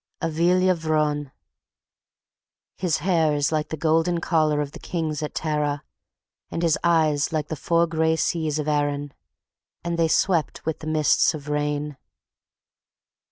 Aveelia Vrone His hair is like the golden collar of the Kings at Tara And his eyes like the four gray seas of Erin. And they swept with the mists of rain.